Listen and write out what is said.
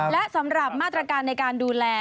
และสำหรับมาตรการในการดูแล